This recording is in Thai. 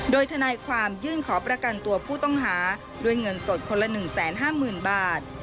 โดยทนายความยื่นขอประกันตัวผู้ต้องหาด้วยเงินสดคนละ๑๕๐๐๐บาท